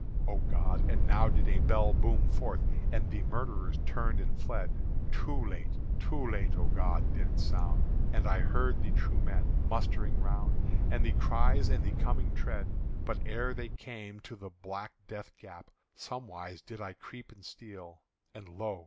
O God! and now did a bell boom forth, And the murderers turned and fled; Too late, too late, O God, did it sound! And I heard the true men mustering round, And the cries and the coming tread. But ere they came, to the black death gap Somewise did I creep and steal; And lo!